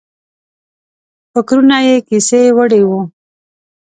فکرونه یې کیسې وړي وو.